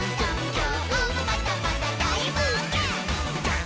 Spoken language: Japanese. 「きょうもまだまだだいぼうけん」「ダン」